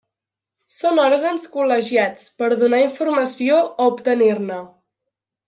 Són òrgans col·legiats per a donar informació o obtenir-ne.